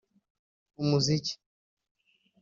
umuziki